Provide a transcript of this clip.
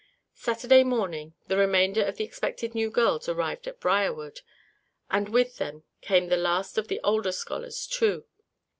Saturday morning the remainder of the expected new girls arrived at Briarwood, and with then came the last of the older scholars, too.